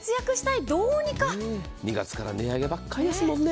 ２月から値上げばかりですものね。